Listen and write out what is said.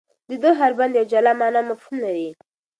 د ده هر بند یوه جلا مانا او مفهوم لري.